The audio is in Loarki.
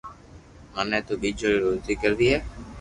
مني تو ٻچو ري روزي ڪروي ھي